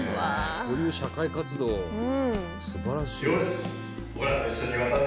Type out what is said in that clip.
こういう社会活動すばらしい。